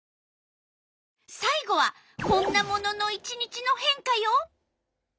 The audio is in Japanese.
さい後はこんなものの１日の変化よ！